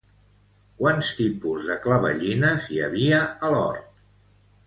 Quants tipus de clavellines hi havia a l'hort?